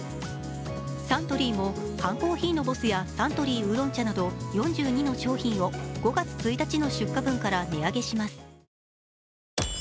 サントリーも缶コーヒーのＢＯＳＳやサントリー烏龍茶など４２の商品を５月１日の出荷分から値上げします。